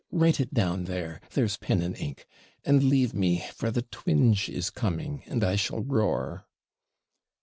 Write it down there; there's pen and ink; and leave me, for the twinge is coming, and I shall roar.'